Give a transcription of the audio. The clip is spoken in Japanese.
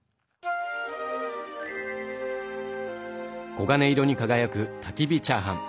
黄金色に輝くたきび火チャーハン！